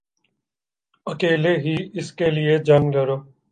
اکیلے ہی اس کیلئے جنگ لڑو